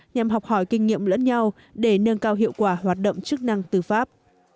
nhằm học hỏi kinh nghiệm lẫn nhau để nâng cao hiệu quả hoạt động chức năng tư pháp